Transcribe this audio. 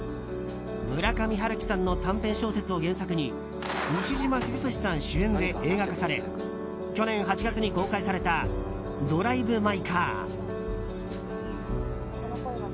村上春樹さんの短編小説を原作に西島秀俊さん主演で映画化され去年８月に公開された「ドライブ・マイ・カー」。